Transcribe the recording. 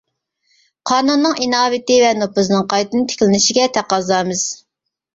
قانۇننىڭ ئىناۋىتى ۋە نوپۇزىنىڭ قايتىدىن تىكلىنىشىگە تەقەززامىز.